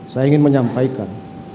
saya ingin menyampaikan